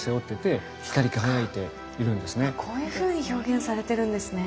こういうふうに表現されてるんですね。